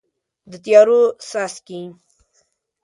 د تیارو څاڅکي